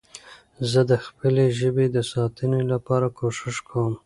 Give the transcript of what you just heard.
زه د خپلي ژبې د ساتنې لپاره کوښښ کوم.